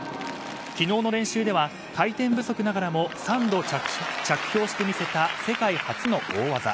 昨日の練習では回転不足ながらも３度着氷してみせた世界初の大技。